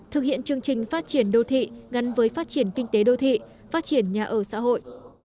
thực hiện chương trình phát triển đô thị gắn với phát triển kinh tế đô thị phát triển nhà ở xã hội